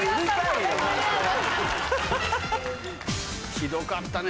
ひどかったね